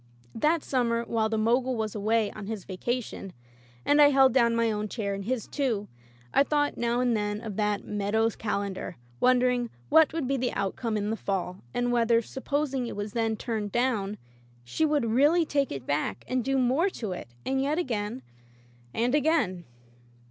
That summer while the Mogul was away on his vacation, and I held down my own chair and his, too, I thought now and dien of that " Meadow's Calendar," wondering what would be the outcome in the fall, and whether, supposing it was then turned down, she would really take it back and do more to it — ^and yet again, and again.